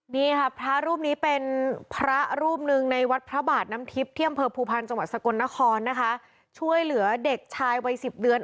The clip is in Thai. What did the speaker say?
นี่ครับพระรูปนี้เป็นพระรูปหนึ่งในพระบาทนำชิพเที่ยมเผิบภูพรรณจมตรศกลนครนะคะช่วยเหลือเด็กชายวัยสิบเดือน